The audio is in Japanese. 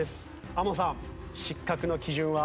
ＡＭＯＮさん失格の基準は？